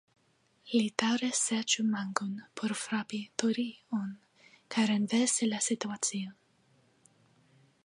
Li daŭre serĉu mankon por frapi "tori"-on, kaj renversi la situacion.